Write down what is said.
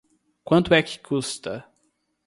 Quanto é que custa?